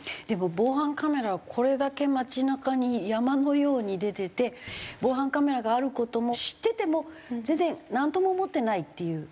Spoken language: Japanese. でも防犯カメラはこれだけ街中に山のように出てて防犯カメラがある事も知ってても全然なんとも思ってないっていう。